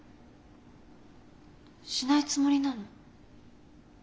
しないつもりなの？